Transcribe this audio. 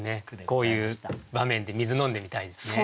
こういう場面で水飲んでみたいですね。